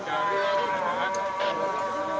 kami menganggurkan surat